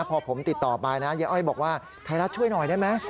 พอผมติดต่อไปนะยายอ้อยบอกว่าไทยรัฐช่วยหน่อยได้ไหม